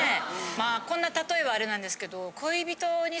まあこんな例えはあれなんですけど。